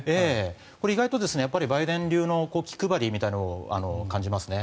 これ意外とバイデン流の気配りみたいなものを感じますね。